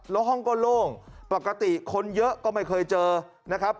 แล้วห้องก็โล่งปกติคนเยอะก็ไม่เคยเจอนะครับ